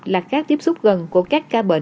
là các tiếp xúc gần của các ca bệnh